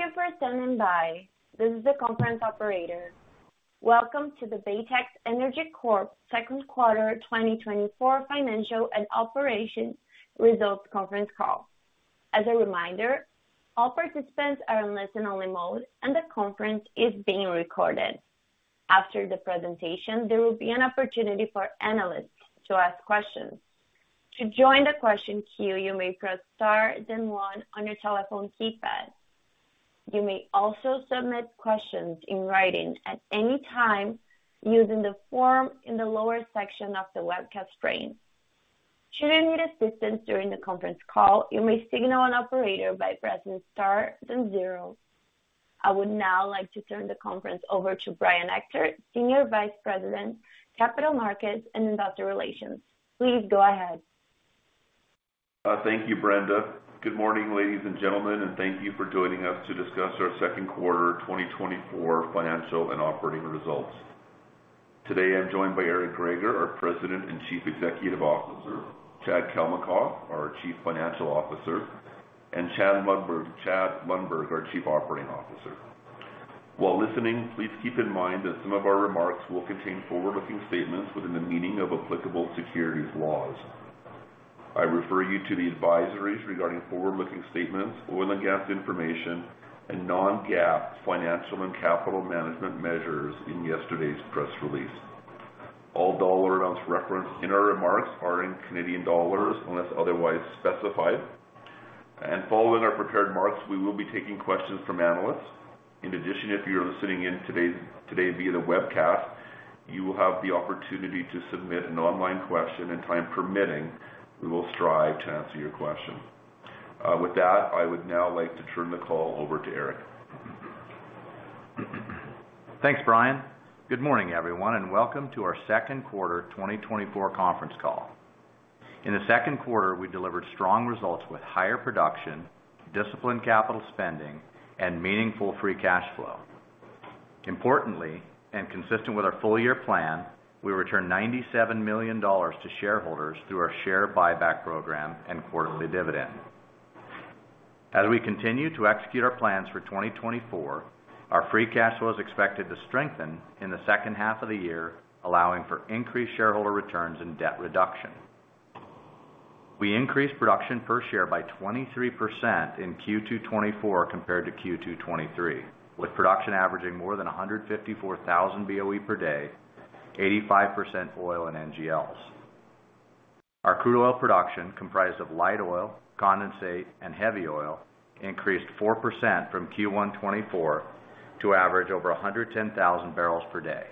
Thank you for standing by. This is the conference operator. Welcome to the Baytex Energy Corp Second Quarter 2024 Financial and Operations Results Conference Call. As a reminder, all participants are in listen-only mode, and the conference is being recorded. After the presentation, there will be an opportunity for analysts to ask questions. To join the question queue, you may press star then one on your telephone keypad. You may also submit questions in writing at any time using the form in the lower section of the webcast screen. Should you need assistance during the conference call, you may signal an operator by pressing star then zero. I would now like to turn the conference over to Brian Ector, Senior Vice President, Capital Markets and Investor Relations. Please go ahead. Thank you, Brenda. Good morning, ladies and gentlemen, and thank you for joining us to discuss our Second Quarter 2024 Financial and Operating Results. Today, I'm joined by Eric Greager, our President and Chief Executive Officer, Chad Kalmakoff, our Chief Financial Officer, and Chad Lundberg, our Chief Operating Officer. While listening, please keep in mind that some of our remarks will contain forward-looking statements within the meaning of applicable securities laws. I refer you to the advisories regarding forward-looking statements, oil and gas information, and non-GAAP financial and capital management measures in yesterday's press release. All dollar amounts referenced in our remarks are in Canadian dollars unless otherwise specified. Following our prepared remarks, we will be taking questions from analysts. In addition, if you're listening in today via the webcast, you will have the opportunity to submit an online question, and time permitting, we will strive to answer your question. With that, I would now like to turn the call over to Eric. Thanks, Brian. Good morning, everyone, and welcome to our Second Quarter 2024 Conference Call. In the second quarter, we delivered strong results with higher production, disciplined capital spending, and meaningful free cash flow. Importantly, and consistent with our full-year plan, we returned $97 million to shareholders through our share buyback program and quarterly dividend. As we continue to execute our plans for 2024, our free cash flow is expected to strengthen in the second half of the year, allowing for increased shareholder returns and debt reduction. We increased production per share by 23% in Q2 2024 compared to Q2 2023, with production averaging more than 154,000 BOE per day, 85% oil and NGLs. Our crude oil production, comprised of light oil, condensate, and heavy oil, increased 4% from Q1 2024 to average over 110,000 barrels per day.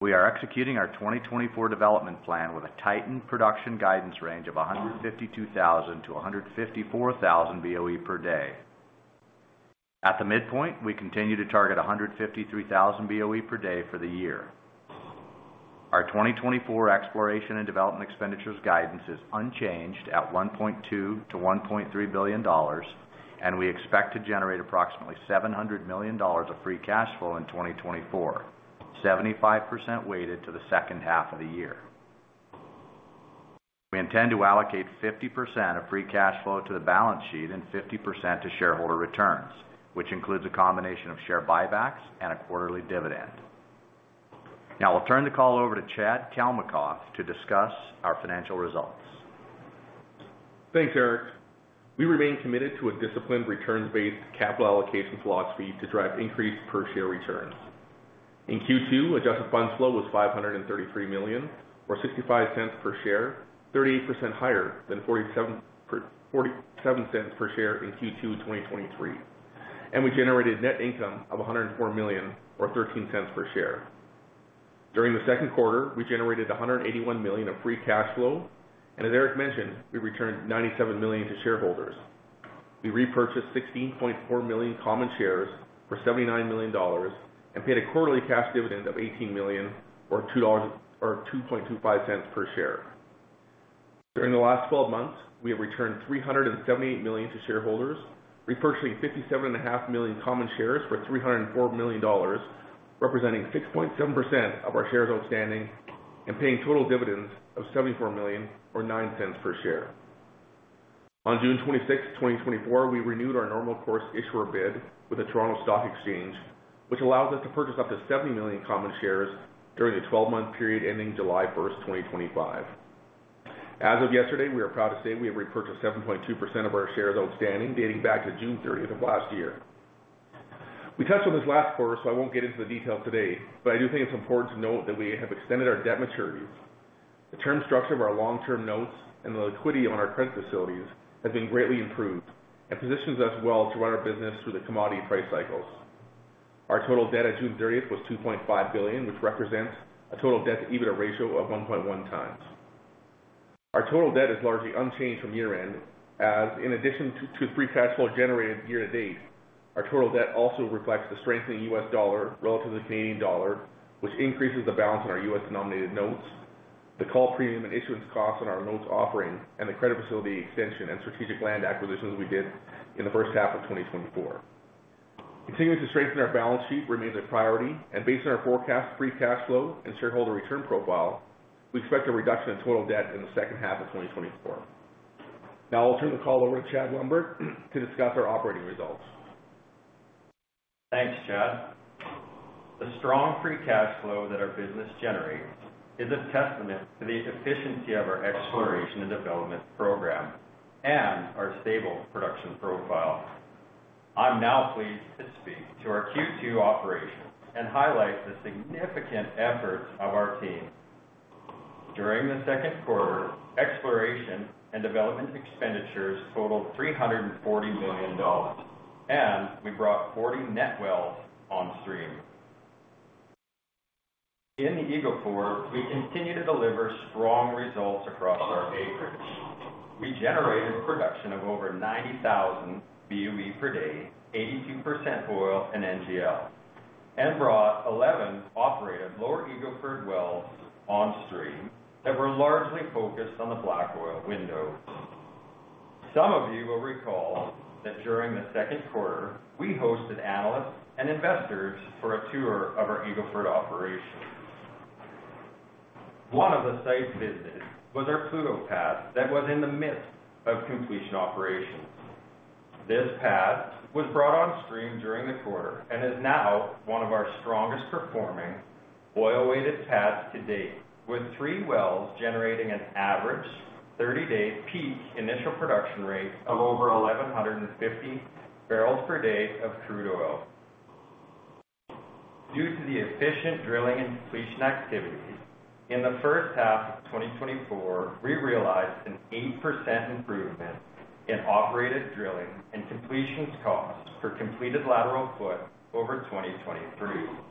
We are executing our 2024 development plan with a tightened production guidance range of 152,000-154,000 BOE per day. At the midpoint, we continue to target 153,000 BOE per day for the year. Our 2024 exploration and development expenditures guidance is unchanged at $1.2-$1.3 billion, and we expect to generate approximately $700 million of free cash flow in 2024, 75% weighted to the second half of the year. We intend to allocate 50% of free cash flow to the balance sheet and 50% to shareholder returns, which includes a combination of share buybacks and a quarterly dividend. Now, I'll turn the call over to Chad Kalmakoff to discuss our financial results. Thanks, Eric. We remain committed to a disciplined returns-based capital allocation philosophy to drive increased per-share returns. In Q2, adjusted funds flow was $533 million, or $0.65 per share, 38% higher than $0.47 per share in Q2 2023, and we generated net income of $104 million, or $0.13 per share. During the second quarter, we generated $181 million of free cash flow, and as Eric mentioned, we returned $97 million to shareholders. We repurchased 16.4 million common shares for $79 million and paid a quarterly cash dividend of $18 million, or $2.25 per share. During the last 12 months, we have returned $378 million to shareholders, repurchasing 57.5 million common shares for $304 million, representing 6.7% of our shares outstanding, and paying total dividends of $74 million, or $0.09 per share. On June 26, 2024, we renewed our normal course issuer bid with the Toronto Stock Exchange, which allows us to purchase up to 70 million common shares during the 12-month period ending July 1, 2025. As of yesterday, we are proud to say we have repurchased 7.2% of our shares outstanding dating back to June 30 of last year. We touched on this last quarter, so I won't get into the details today, but I do think it's important to note that we have extended our debt maturities. The term structure of our long-term notes and the liquidity on our credit facilities has been greatly improved and positions us well to run our business through the commodity price cycles. Our total debt at June 30 was $2.5 billion, which represents a total debt-to-EBITDA ratio of 1.1 times. Our total debt is largely unchanged from year-end, as in addition to the free cash flow generated year-to-date, our total debt also reflects the strengthening U.S. dollar relative to the Canadian dollar, which increases the balance on our U.S. denominated notes, the call premium and issuance costs on our notes offering, and the credit facility extension and strategic land acquisitions we did in the first half of 2024. Continuing to strengthen our balance sheet remains a priority, and based on our forecast free cash flow and shareholder return profile, we expect a reduction in total debt in the second half of 2024. Now, I'll turn the call over to Chad Lundberg to discuss our operating results. Thanks, Chad. The strong free cash flow that our business generates is a testament to the efficiency of our exploration and development program and our stable production profile. I'm now pleased to speak to our Q2 operations and highlight the significant efforts of our team. During the second quarter, exploration and development expenditures totaled $340 million, and we brought 40 net wells on stream. In the Eagle Ford, we continue to deliver strong results across our acreage. We generated production of over 90,000 BOE per day, 82% oil and NGL, and brought 11 operated lower Eagle Ford wells on stream that were largely focused on the black oil window. Some of you will recall that during the second quarter, we hosted analysts and investors for a tour of our Eagle Ford operations. One of the site visits was our Pluto Pad that was in the midst of completion operations. This pad was brought on stream during the quarter and is now one of our strongest performing oil-weighted pads to date, with three wells generating an average 30-day peak initial production rate of over 1,150 barrels per day of crude oil. Due to the efficient drilling and completion activities, in the first half of 2024, we realized an 8% improvement in operated drilling and completion costs for completed lateral foot over 2023.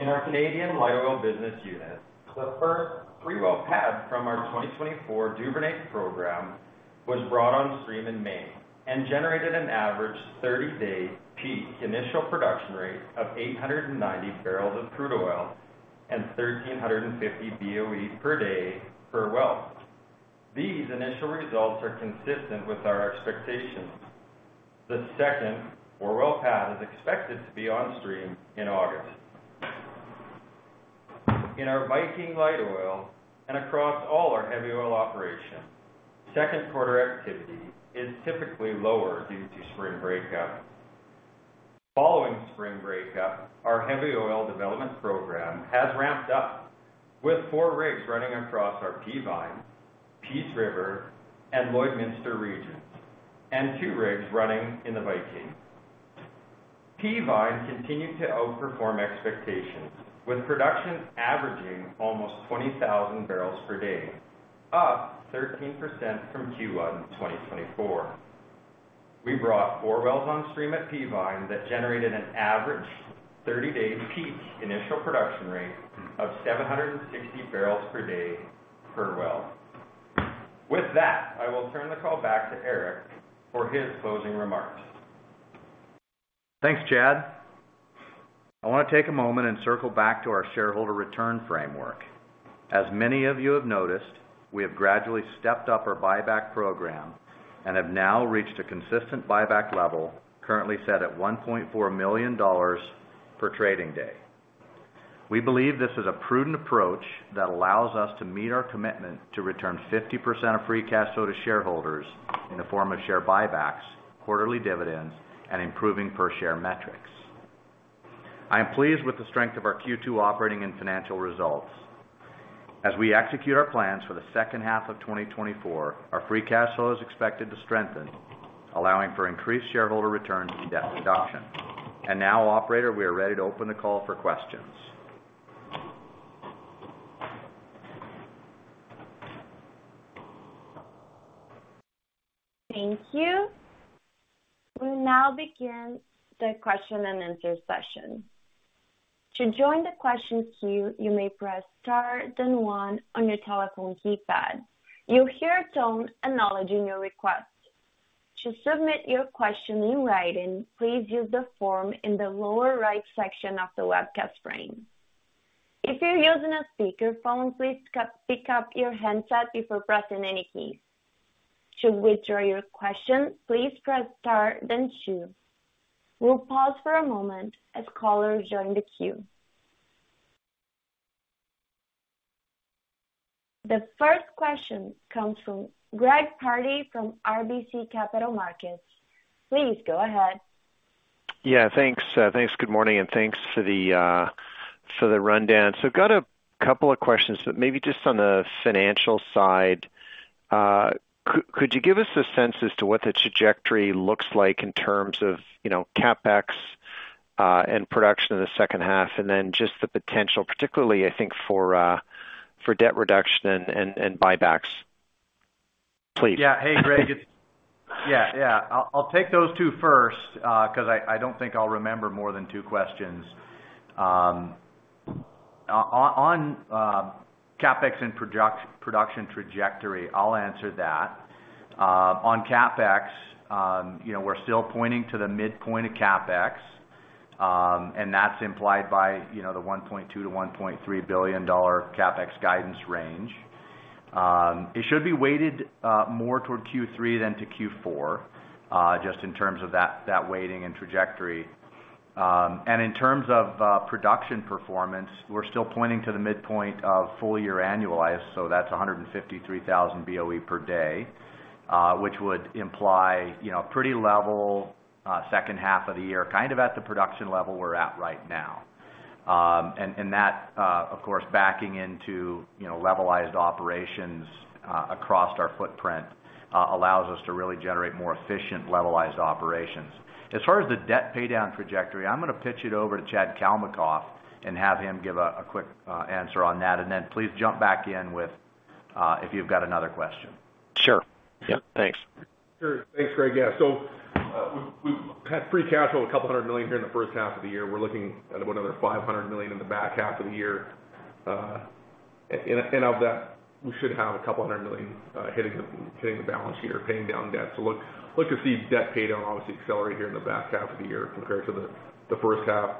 In our Canadian light oil business unit, the first three-well pad from our 2024 Duvernay program was brought on stream in May and generated an average 30-day peak initial production rate of 890 barrels of crude oil and 1,350 BOE per day per well. These initial results are consistent with our expectations. The second four-well pad is expected to be on stream in August. In our Viking light oil and across all our heavy oil operations, second quarter activity is typically lower due to spring breakup. Following spring breakup, our heavy oil development program has ramped up, with four rigs running across our Peavine, Peace River, and Lloydminster regions, and two rigs running in the Viking. Peavine continued to outperform expectations, with production averaging almost 20,000 barrels per day, up 13% from Q1 2024. We brought four wells on stream at Peavine that generated an average 30-day peak initial production rate of 760 barrels per day per well. With that, I will turn the call back to Eric for his closing remarks. Thanks, Chad. I want to take a moment and circle back to our shareholder return framework. As many of you have noticed, we have gradually stepped up our buyback program and have now reached a consistent buyback level currently set at $1.4 million per trading day. We believe this is a prudent approach that allows us to meet our commitment to return 50% of free cash flow to shareholders in the form of share buybacks, quarterly dividends, and improving per-share metrics. I am pleased with the strength of our Q2 operating and financial results. As we execute our plans for the second half of 2024, our free cash flow is expected to strengthen, allowing for increased shareholder returns and debt reduction. And now, operator, we are ready to open the call for questions. Thank you. We'll now begin the question and answer session. To join the question queue, you may press star then one on your telephone keypad. You'll hear a tone acknowledging your request. To submit your question in writing, please use the form in the lower right section of the webcast screen. If you're using a speakerphone, please pick up your handset before pressing any keys. To withdraw your question, please press star then two. We'll pause for a moment as callers join the queue. The first question comes from Greg Pardy from RBC Capital Markets. Please go ahead. Yeah, thanks. Thanks. Good morning, and thanks for the rundown. So I've got a couple of questions, but maybe just on the financial side. Could you give us a sense as to what the trajectory looks like in terms of CapEx and production in the second half, and then just the potential, particularly, I think, for debt reduction and buybacks? Please. Yeah. Hey, Greg. Yeah, yeah. I'll take those two first because I don't think I'll remember more than two questions. On CapEx and production trajectory, I'll answer that. On CapEx, we're still pointing to the midpoint of CapEx, and that's implied by the $1.2-$1.3 billion CapEx guidance range. It should be weighted more toward Q3 than to Q4, just in terms of that weighting and trajectory. And in terms of production performance, we're still pointing to the midpoint of full-year annualized, so that's 153,000 BOE per day, which would imply a pretty level second half of the year, kind of at the production level we're at right now. And that, of course, backing into levelized operations across our footprint allows us to really generate more efficient levelized operations. As far as the debt paydown trajectory, I'm going to pitch it over to Chad Kalmakoff and have him give a quick answer on that. And then please jump back in with if you've got another question. Sure. Yeah. Thanks. Sure. Thanks, Greg. Yeah. So we had free cash flow of 200 million here in the first half of the year. We're looking at another 500 million in the back half of the year. And of that, we should have 200 million hitting the balance sheet or paying down debt. So look to see debt paydown obviously accelerate here in the back half of the year compared to the first half.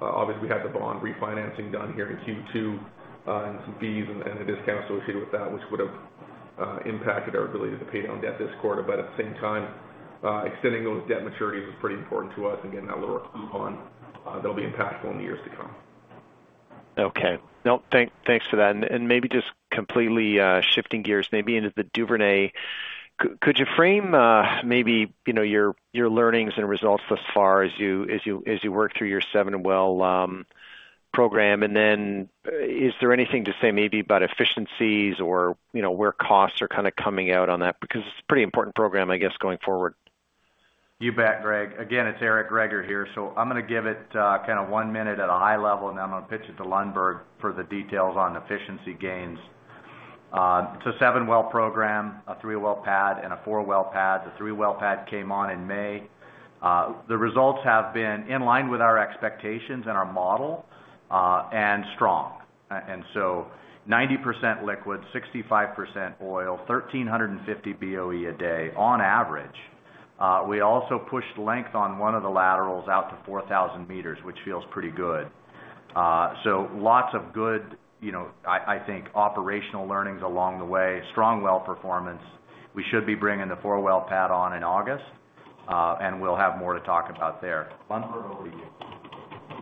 Obviously, we had the bond refinancing done here in Q2 and some fees and the discounts associated with that, which would have impacted our ability to pay down debt this quarter. But at the same time, extending those debt maturities is pretty important to us and getting that lower coupon that'll be impactful in the years to come. Okay. No, thanks for that. Maybe just completely shifting gears, maybe into the Duvernay, could you frame maybe your learnings and results thus far as you work through your 7-well program? And then is there anything to say maybe about efficiencies or where costs are kind of coming out on that? Because it's a pretty important program, I guess, going forward. You bet, Greg. Again, it's Eric Greager here. So I'm going to give it kind of one minute at a high level, and then I'm going to pitch it to Lundberg for the details on efficiency gains. It's a seven-well program, a three-well pad, and a four-well pad. The three-well pad came on in May. The results have been in line with our expectations and our model and strong. And so 90% liquid, 65% oil, 1,350 BOE a day on average. We also pushed length on one of the laterals out to 4,000 meters, which feels pretty good. So lots of good, I think, operational learnings along the way, strong well performance. We should be bringing the four-well pad on in August, and we'll have more to talk about there.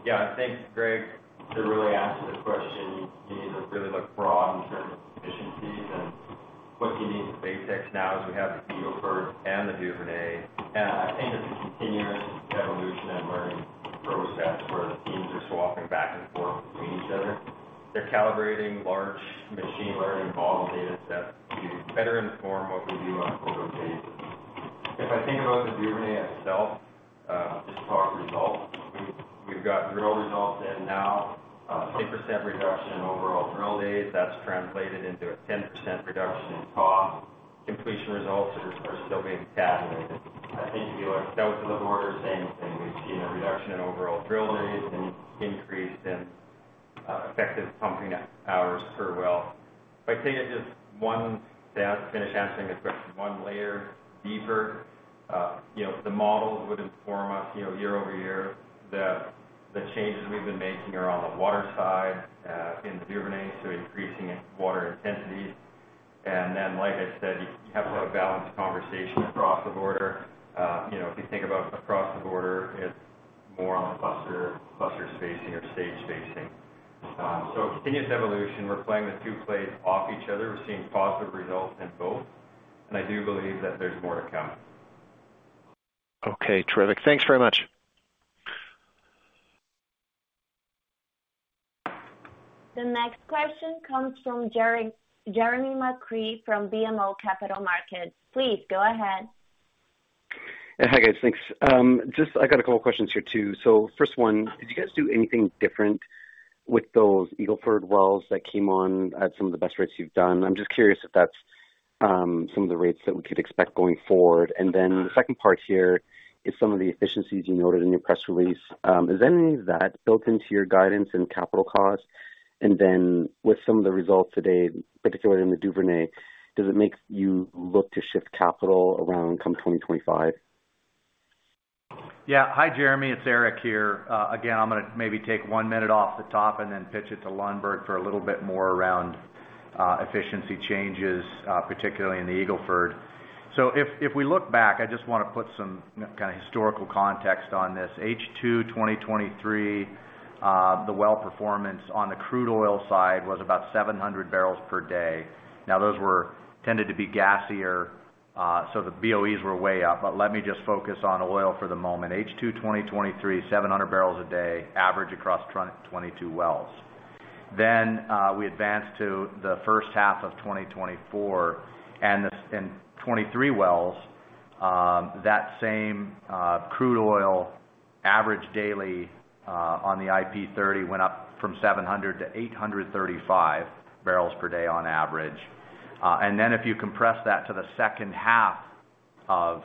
Yeah. I think, Greg, to really answer the question, you need to really look broad in terms of efficiencies and what you need to basics now as we have the Eagle Ford and the Duvernay. And I think it's a continuous evolution and learning process where the teams are swapping back and forth between each other. They're calibrating large machine learning model data sets to better inform what we do on quarterly basis. If I think about the Duvernay itself, just talk results. We've got drill results in now, a 20% reduction in overall drill days. That's translated into a 10% reduction in cost. Completion results are still being tabulated. I think if you look at that would be the order of same thing. We've seen a reduction in overall drill days and increase in effective pumping hours per well. If I take it just one to finish answering the question one layer deeper, the model would inform us year-over-year that the changes we've been making are on the water side in the Duvernay, so increasing water intensities. And then, like I said, you have to have a balanced conversation across the border. If you think about across the border, it's more on cluster spacing or stage spacing. So continuous evolution. We're playing the two plays off each other. We're seeing positive results in both. And I do believe that there's more to come. Okay. Terrific. Thanks very much. The next question comes from Jeremy McCrea from BMO Capital Markets. Please go ahead. Hi, guys. Thanks. Just I got a couple of questions here too. So first one, did you guys do anything different with those Eagle Ford wells that came on at some of the best rates you've done? I'm just curious if that's some of the rates that we could expect going forward. And then the second part here is some of the efficiencies you noted in your press release. Is any of that built into your guidance and capital costs? And then with some of the results today, particularly in the Duvernay, does it make you look to shift capital around come 2025? Yeah. Hi, Jeremy. It's Eric here. Again, I'm going to maybe take one minute off the top and then pitch it to Lundberg for a little bit more around efficiency changes, particularly in the Eagle Ford. So if we look back, I just want to put some kind of historical context on this. H2 2023, the well performance on the crude oil side was about 700 barrels per day. Now, those tended to be gassier, so the BOEs were way up. But let me just focus on oil for the moment. H2 2023, 700 barrels a day average across 22 wells. Then we advance to the first half of 2024. And in 23 wells, that same crude oil average daily on the IP 30 went up from 700 to 835 barrels per day on average. And then if you compress that to the second half of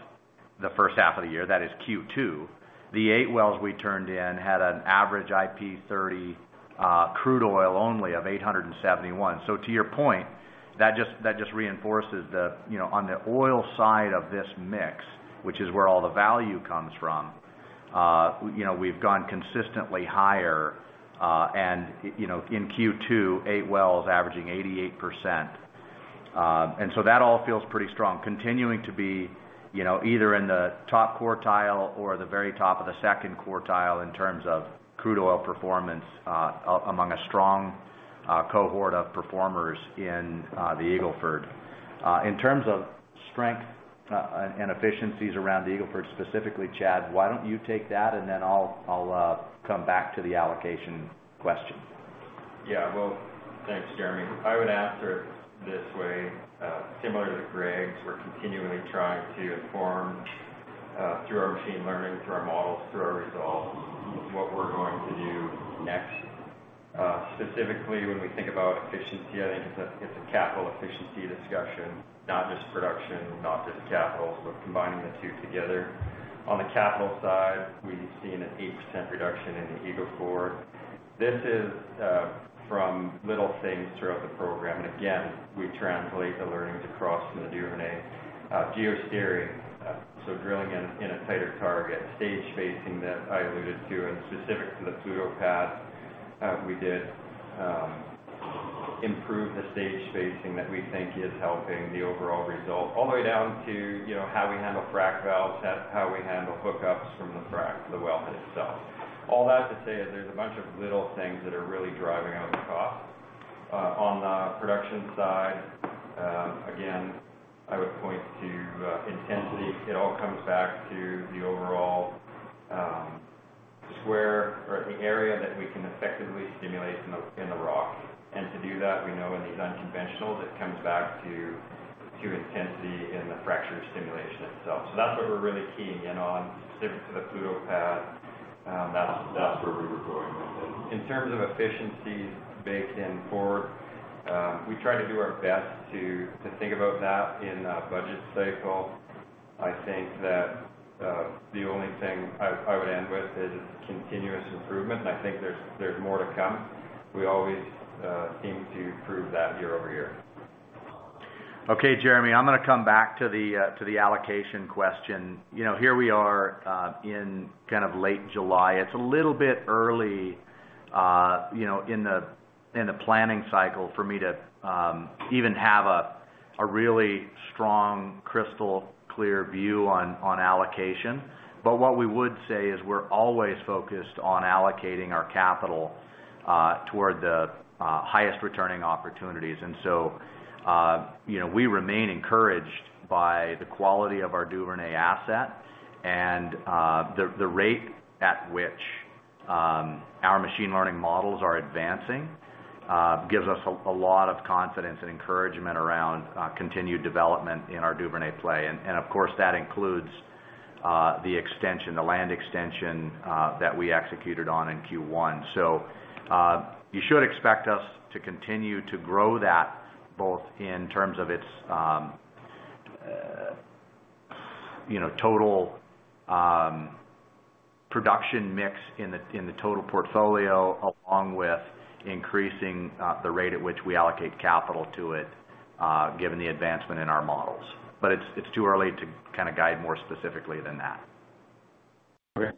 the first half of the year, that is Q2, the 8 wells we turned in had an average IP 30 crude oil only of 871. So to your point, that just reinforces the on the oil side of this mix, which is where all the value comes from, we've gone consistently higher. And in Q2, 8 wells averaging 88%. And so that all feels pretty strong, continuing to be either in the top quartile or the very top of the second quartile in terms of crude oil performance among a strong cohort of performers in the Eagle Ford. In terms of strength and efficiencies around the Eagle Ford specifically, Chad, why don't you take that, and then I'll come back to the allocation question. Yeah. Well, thanks, Jeremy. I would answer it this way. Similar to Greg's, we're continually trying to inform through our machine learning, through our models, through our results, what we're going to do next. Specifically, when we think about efficiency, I think it's a capital efficiency discussion, not just production, not just capital, but combining the two together. On the capital side, we've seen an 8% reduction in the Eagle Ford. This is from little things throughout the program. And again, we translate the learnings across from the Duvernay. Geosteering, so drilling in a tighter target, stage spacing that I alluded to, and specific to the Pluto Pad, we did improve the stage spacing that we think is helping the overall result, all the way down to how we handle frac valves, how we handle hookups from the frac to the wellhead itself. All that to say is there's a bunch of little things that are really driving up the cost. On the production side, again, I would point to intensity. It all comes back to the overall square or the area that we can effectively stimulate in the rock. And to do that, we know in these unconventionals, it comes back to intensity in the fracture stimulation itself. So that's what we're really keying in on, specific to the Pluto Pad. That's where we were going with it. In terms of efficiencies baked in forward, we try to do our best to think about that in a budget cycle. I think that the only thing I would end with is continuous improvement, and I think there's more to come. We always seem to prove that year-over-year. Okay, Jeremy. I'm going to come back to the allocation question. Here we are in kind of late July. It's a little bit early in the planning cycle for me to even have a really strong, crystal-clear view on allocation. But what we would say is we're always focused on allocating our capital toward the highest returning opportunities. And so we remain encouraged by the quality of our Duvernay asset, and the rate at which our machine learning models are advancing gives us a lot of confidence and encouragement around continued development in our Duvernay play. And of course, that includes the extension, the land extension that we executed on in Q1. You should expect us to continue to grow that both in terms of its total production mix in the total portfolio, along with increasing the rate at which we allocate capital to it, given the advancement in our models. It's too early to kind of guide more specifically than that. Okay.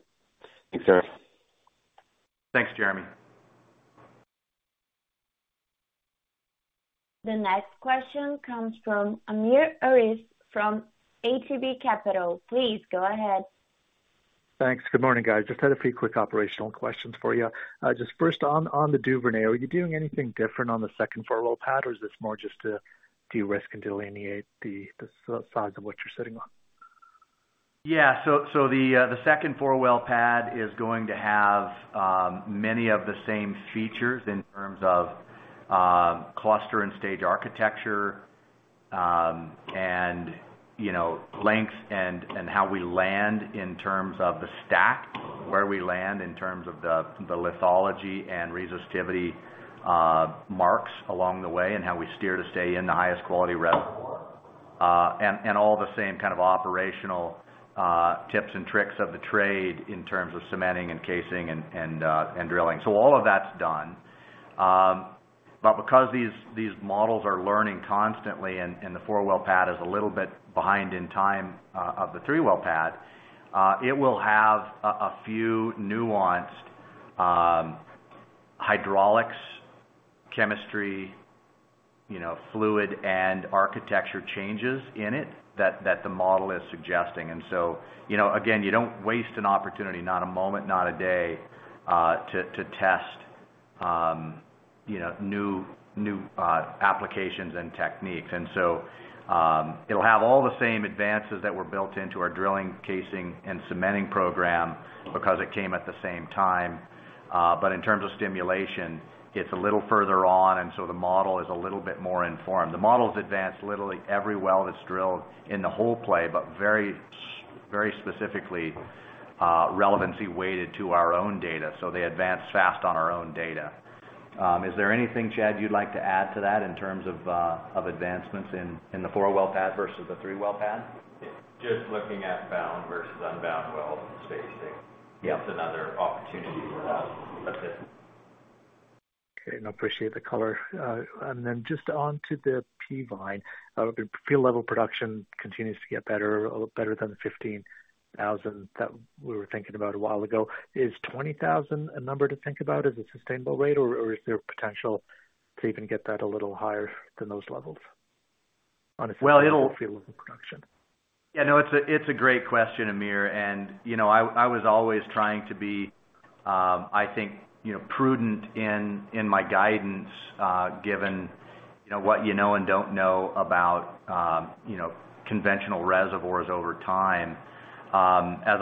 Thanks, Eric. Thanks, Jeremy. The next question comes from Amir Arif from ATB Capital. Please go ahead. Thanks. Good morning, guys. Just had a few quick operational questions for you. Just first, on the Duvernay, are you doing anything different on the second four-well pad, or is this more just to de-risk and delineate the size of what you're sitting on? Yeah. So the second 4-well pad is going to have many of the same features in terms of cluster and stage architecture and length and how we land in terms of the stack, where we land in terms of the lithology and resistivity marks along the way, and how we steer to stay in the highest quality reservoir, and all the same kind of operational tips and tricks of the trade in terms of cementing and casing and drilling. So all of that's done. But because these models are learning constantly and the 4-well pad is a little bit behind in time of the 3-well pad, it will have a few nuanced hydraulics, chemistry, fluid, and architecture changes in it that the model is suggesting. And so again, you don't waste an opportunity, not a moment, not a day, to test new applications and techniques. And so it'll have all the same advances that were built into our drilling, casing, and cementing program because it came at the same time. But in terms of stimulation, it's a little further on, and so the model is a little bit more informed. The model's advanced literally every well that's drilled in the whole play, but very specifically relevancy weighted to our own data. So they advance fast on our own data. Is there anything, Chad, you'd like to add to that in terms of advancements in the four-well pad versus the three-well pad? Just looking at bound versus unbound well spacing. That's another opportunity for us. That's it. Okay. And I appreciate the color. And then just onto the Peavine, the field-level production continues to get better, better than 15,000 that we were thinking about a while ago. Is 20,000 a number to think about as a sustainable rate, or is there potential to even get that a little higher than those levels on a field-level production? Yeah. No, it's a great question, Amir. And I was always trying to be, I think, prudent in my guidance given what you know and don't know about conventional reservoirs over time. As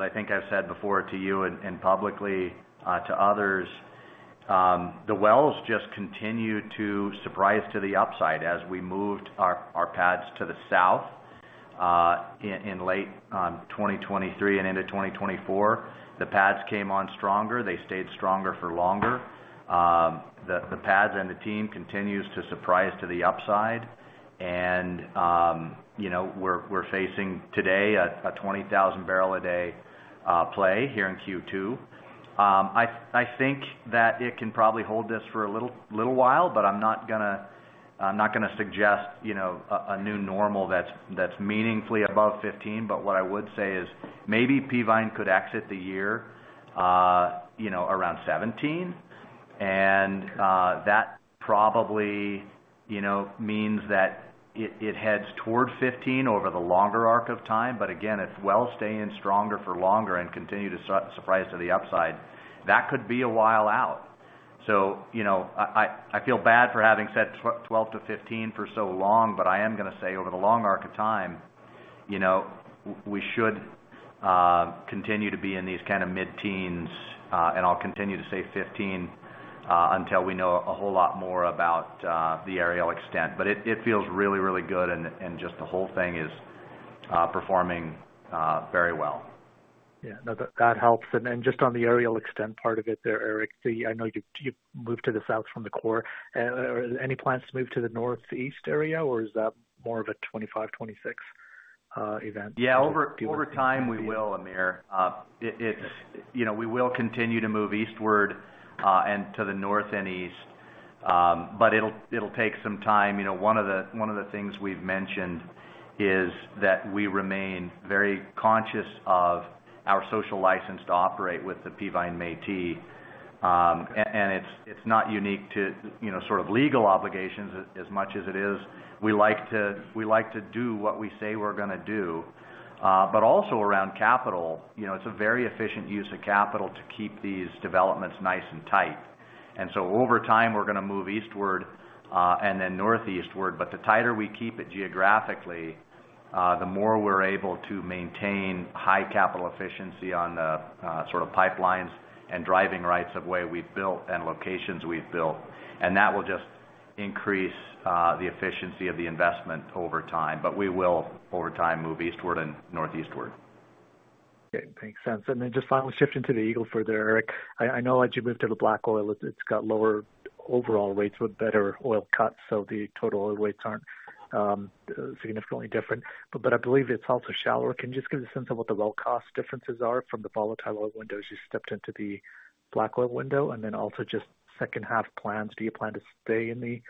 I think I've said before to you and publicly to others, the wells just continued to surprise to the upside as we moved our pads to the south. In late 2023 and into 2024, the pads came on stronger. They stayed stronger for longer. The pads and the team continues to surprise to the upside. And we're facing today a 20,000 barrel a day play here in Q2. I think that it can probably hold this for a little while, but I'm not going to suggest a new normal that's meaningfully above 15. But what I would say is maybe Peavine could exit the year around 17. And that probably means that it heads toward 15 over the longer arc of time. But again, if wells stay in stronger for longer and continue to surprise to the upside, that could be a while out. So I feel bad for having said 12-15 for so long, but I am going to say over the long arc of time, we should continue to be in these kind of mid-teens, and I'll continue to say 15 until we know a whole lot more about the aerial extent. But it feels really, really good, and just the whole thing is performing very well. Yeah. No, that helps. And just on the aerial extent part of it there, Eric, I know you've moved to the south from the core. Any plans to move to the northeast area, or is that more of a 2025, 2026 event? Yeah. Over time, we will, Amir. We will continue to move eastward and to the north and east. But it'll take some time. One of the things we've mentioned is that we remain very conscious of our social license to operate with the Peavine Métis. And it's not unique to sort of legal obligations as much as it is. We like to do what we say we're going to do. But also around capital, it's a very efficient use of capital to keep these developments nice and tight. And so over time, we're going to move eastward and then northeastward. But the tighter we keep it geographically, the more we're able to maintain high capital efficiency on the sort of pipelines and driving rights of way we've built and locations we've built. And that will just increase the efficiency of the investment over time. But we will, over time, move eastward and northeastward. Okay. Makes sense. And then just finally, shifting to the Eagle Ford there, Eric, I know as you move to the Black Oil, it's got lower overall weights with better oil cuts. So the total oil weights aren't significantly different. But I believe it's also shallower. Can you just give us a sense of what the well cost differences are from the volatile oil window as you stepped into the Black Oil window? And then also just second-half plans. Do you plan to stay in the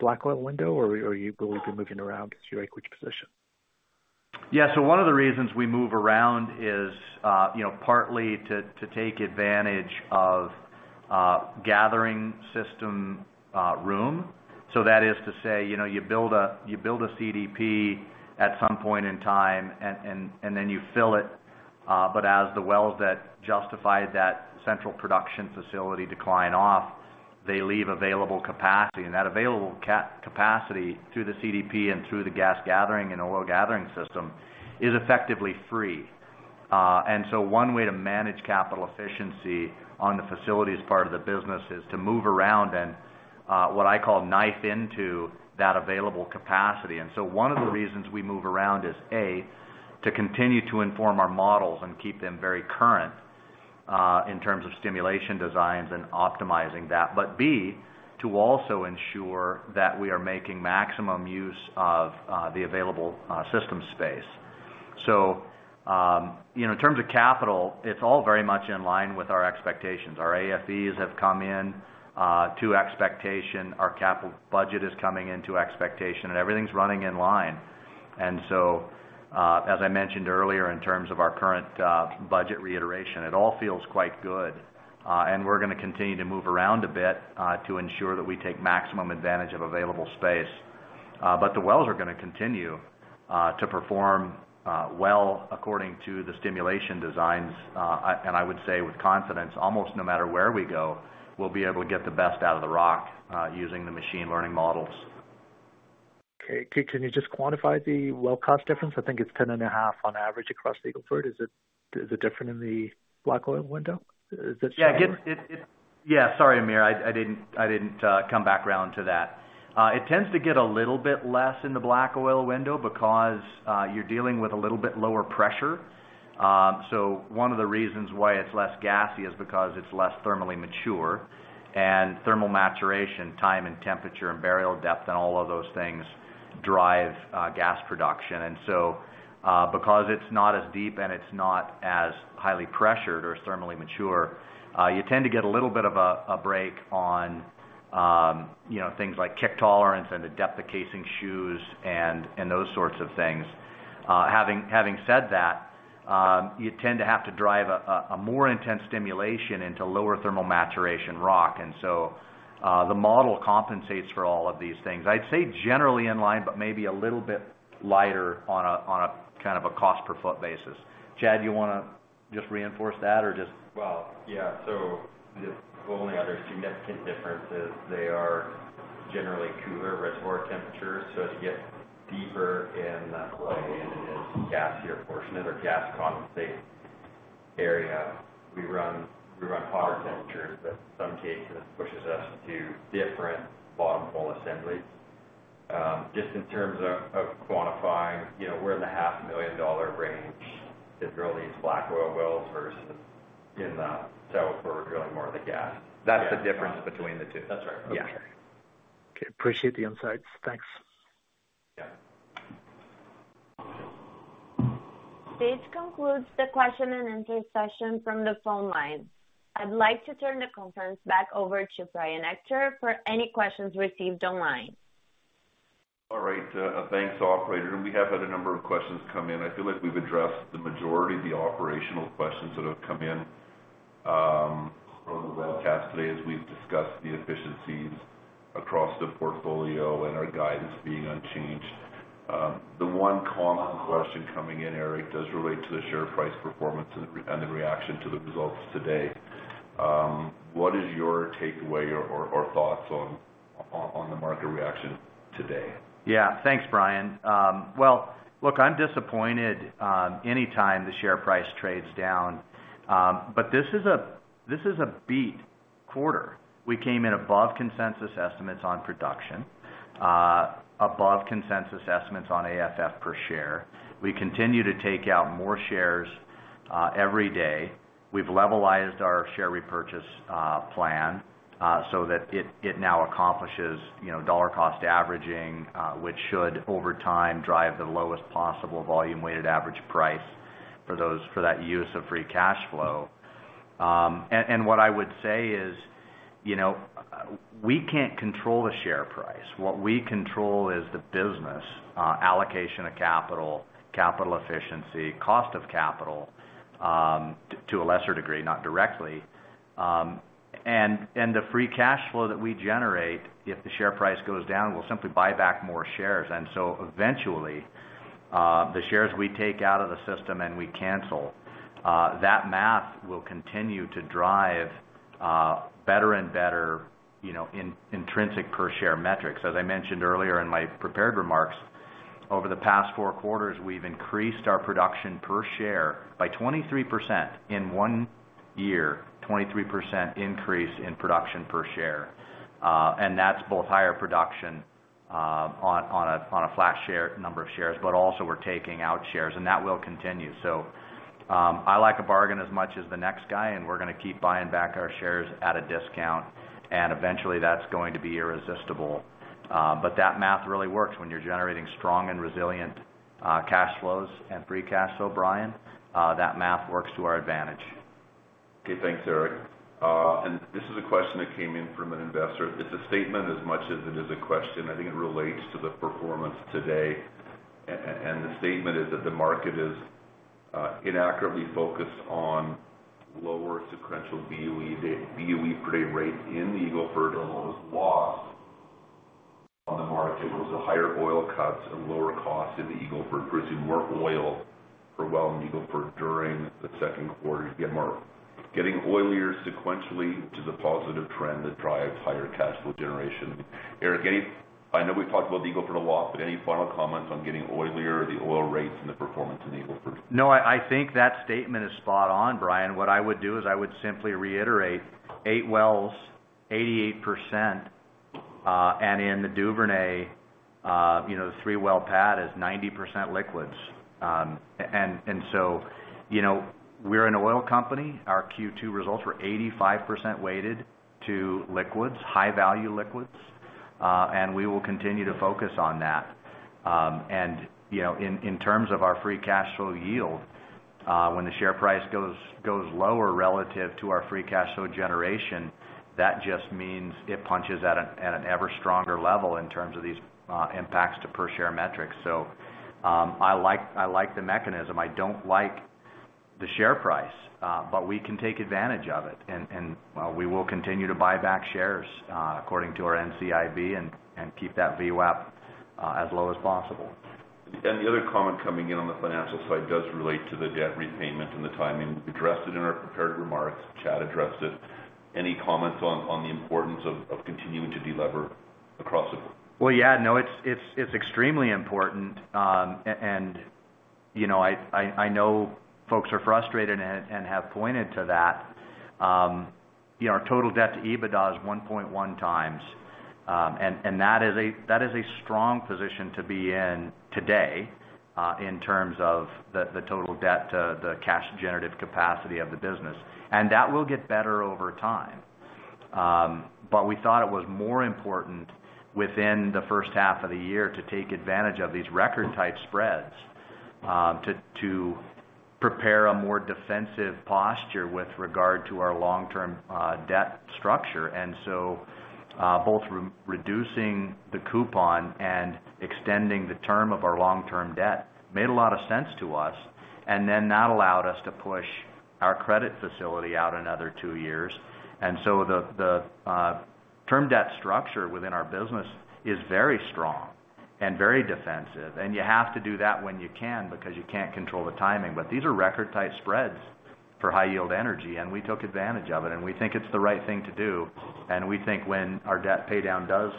Black Oil window, or will you be moving around as you make which position? Yeah. So one of the reasons we move around is partly to take advantage of gathering system room. So that is to say you build a CDP at some point in time, and then you fill it. But as the wells that justify that central production facility decline off, they leave available capacity. And that available capacity through the CDP and through the gas gathering and oil gathering system is effectively free. And so one way to manage capital efficiency on the facilities part of the business is to move around and what I call knife into that available capacity. And so one of the reasons we move around is, A, to continue to inform our models and keep them very current in terms of stimulation designs and optimizing that. But B, to also ensure that we are making maximum use of the available system space. In terms of capital, it's all very much in line with our expectations. Our AFEs have come in to expectation. Our capital budget is coming into expectation, and everything's running in line. As I mentioned earlier, in terms of our current budget reiteration, it all feels quite good. We're going to continue to move around a bit to ensure that we take maximum advantage of available space. The wells are going to continue to perform well according to the stimulation designs. I would say with confidence, almost no matter where we go, we'll be able to get the best out of the rock using the machine learning models. Okay. Can you just quantify the well cost difference? I think it's 10.5 on average across Eagle Ford. Is it different in the Black Oil window? Is it? Yeah. Yeah. Sorry, Amir. I didn't come back around to that. It tends to get a little bit less in the black oil window because you're dealing with a little bit lower pressure. So one of the reasons why it's less gassy is because it's less thermally mature. And thermal maturation, time and temperature and burial depth and all of those things drive gas production. And so because it's not as deep and it's not as highly pressured or thermally mature, you tend to get a little bit of a break on things like kick tolerance and the depth of casing shoes and those sorts of things. Having said that, you tend to have to drive a more intense stimulation into lower thermal maturation rock. And so the model compensates for all of these things. I'd say generally in line, but maybe a little bit lighter on a kind of a cost per foot basis. Chad, you want to just reinforce that or just? Well, yeah. So the only other significant difference is they are generally cooler reservoir temperatures. So to get deeper in the play and in this gassier portion of it or gas condensate area, we run hotter temperatures. But in some cases, it pushes us to different bottom hole assemblies. Just in terms of quantifying, we're in the $500,000 range to drill these Black Oil wells versus in the south where we're drilling more of the gas. That's the difference between the two. That's right. That's right. Okay. Appreciate the insights. Thanks. Stage concludes the question and answer session from the phone line. I'd like to turn the conference back over to Brian Ector for any questions received online. All right. Thanks, operator. And we have had a number of questions come in. I feel like we've addressed the majority of the operational questions that have come in from the webcast today as we've discussed the efficiencies across the portfolio and our guidance being unchanged. The one common question coming in, Eric, does relate to the share price performance and the reaction to the results today. What is your takeaway or thoughts on the market reaction today? Yeah. Thanks, Brian. Well, look, I'm disappointed anytime the share price trades down. But this is a beat quarter. We came in above consensus estimates on production, above consensus estimates on AFF per share. We continue to take out more shares every day. We've levelized our share repurchase plan so that it now accomplishes dollar cost averaging, which should over time drive the lowest possible volume weighted average price for that use of free cash flow. And what I would say is we can't control the share price. What we control is the business allocation of capital, capital efficiency, cost of capital to a lesser degree, not directly. And the free cash flow that we generate, if the share price goes down, will simply buy back more shares. So eventually, the shares we take out of the system and we cancel, that math will continue to drive better and better intrinsic per share metrics. As I mentioned earlier in my prepared remarks, over the past four quarters, we've increased our production per share by 23% in one year, 23% increase in production per share. That's both higher production on a flash share number of shares, but also we're taking out shares. That will continue. So I like a bargain as much as the next guy. We're going to keep buying back our shares at a discount. Eventually, that's going to be irresistible. But that math really works when you're generating strong and resilient cash flows and free cash flow, Brian. That math works to our advantage. Okay. Thanks, Eric. And this is a question that came in from an investor. It's a statement as much as it is a question. I think it relates to the performance today. And the statement is that the market is inaccurately focused on lower sequential BOE per day rate in the Eagle Ford. Almost lost on the market was the higher oil cuts and lower costs in the Eagle Ford, producing more oil for well in Eagle Ford during the second quarter. Getting oilier sequentially is a positive trend that drives higher cash flow generation. Eric, I know we've talked about the Eagle Ford a lot, but any final comments on getting oilier or the oil rates and the performance in Eagle Ford? No, I think that statement is spot on, Brian. What I would do is I would simply reiterate 8 wells, 88%. And in the Duvernay, the 3 well pad is 90% liquids. And so we're an oil company. Our Q2 results were 85% weighted to liquids, high value liquids. And we will continue to focus on that. And in terms of our free cash flow yield, when the share price goes lower relative to our free cash flow generation, that just means it punches at an ever stronger level in terms of these impacts to per share metrics. So I like the mechanism. I don't like the share price, but we can take advantage of it. And we will continue to buy back shares according to our NCIB and keep that VWAP as low as possible. The other comment coming in on the financial side does relate to the debt repayment and the timing. We addressed it in our prepared remarks. Chad addressed it. Any comments on the importance of continuing to deliver across the board? Well, yeah. No, it's extremely important. And I know folks are frustrated and have pointed to that. Our total debt to EBITDA is 1.1x. And that is a strong position to be in today in terms of the total debt to the cash generative capacity of the business. And that will get better over time. But we thought it was more important within the first half of the year to take advantage of these record-type spreads to prepare a more defensive posture with regard to our long-term debt structure. And so both reducing the coupon and extending the term of our long-term debt made a lot of sense to us. And then that allowed us to push our credit facility out another two years. And so the term debt structure within our business is very strong and very defensive. And you have to do that when you can because you can't control the timing. But these are record-type spreads for high yield energy. And we took advantage of it. And we think it's the right thing to do. And we think when our debt paydown does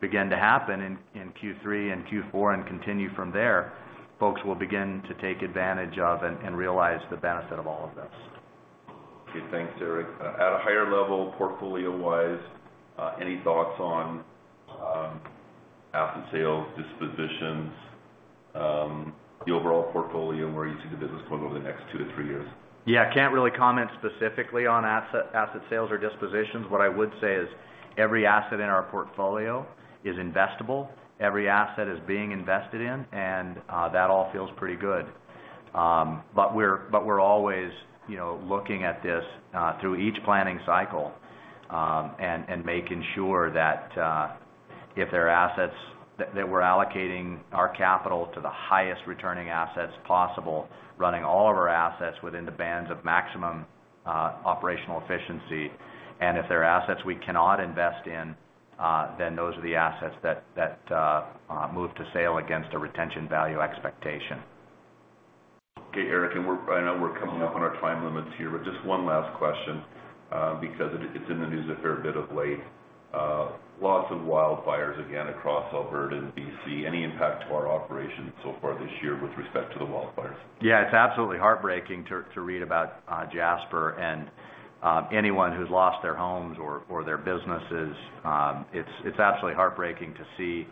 begin to happen in Q3 and Q4 and continue from there, folks will begin to take advantage of and realize the benefit of all of this. Okay. Thanks, Eric. At a higher level, portfolio-wise, any thoughts on asset sales, dispositions, the overall portfolio, and where you see the business going over the next 2-3 years? Yeah. I can't really comment specifically on asset sales or dispositions. What I would say is every asset in our portfolio is investable. Every asset is being invested in. And that all feels pretty good. But we're always looking at this through each planning cycle and making sure that if there are assets that we're allocating our capital to the highest returning assets possible, running all of our assets within the bands of maximum operational efficiency. And if there are assets we cannot invest in, then those are the assets that move to sale against a retention value expectation. Okay, Eric. And I know we're coming up on our time limits here, but just one last question because it's in the news a fair bit of late. Lots of wildfires again across Alberta and BC. Any impact to our operations so far this year with respect to the wildfires? Yeah. It's absolutely heartbreaking to read about Jasper and anyone who's lost their homes or their businesses. It's absolutely heartbreaking to see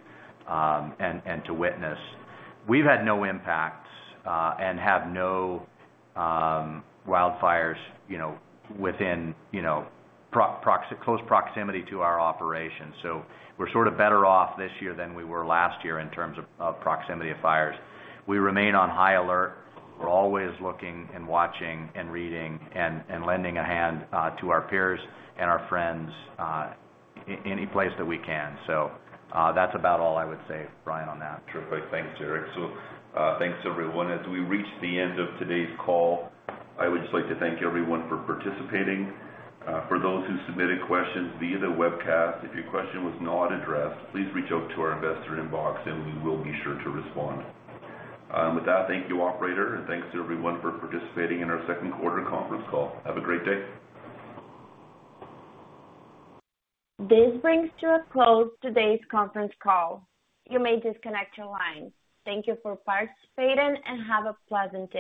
and to witness. We've had no impacts and have no wildfires within close proximity to our operation. So we're sort of better off this year than we were last year in terms of proximity of fires. We remain on high alert. We're always looking and watching and reading and lending a hand to our peers and our friends any place that we can. So that's about all I would say, Brian, on that. Terrific. Thanks, Eric. Thanks, everyone. As we reach the end of today's call, I would just like to thank everyone for participating. For those who submitted questions via the webcast, if your question was not addressed, please reach out to our investor inbox and we will be sure to respond. With that, thank you, operator. Thanks to everyone for participating in our second quarter conference call. Have a great day. This brings to a close today's conference call. You may disconnect your line. Thank you for participating and have a pleasant.